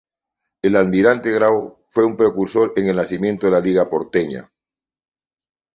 El Almirante Grau, fue un precursor en el nacimiento de la liga porteña.